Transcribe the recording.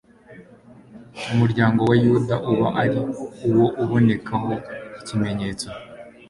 umuryango wa yuda uba ari wo ubonekaho ikimenyetso